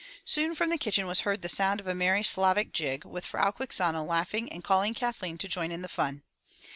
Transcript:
Soon from the kitchen was heard the sound of a merry Slavic jig with Frau Quixano laughing and calling Kathleen to join in the fun.